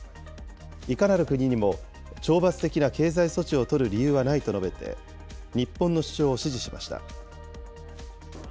いかなる国にも懲罰的な経済措置を取る理由はないと述べて、日本の主張を支持しました。